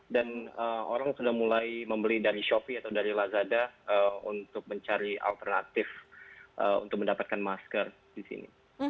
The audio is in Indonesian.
dan orang sudah mulai membeli dari shopee atau dari lazada untuk mencari alternatif untuk mendapatkan masker di sini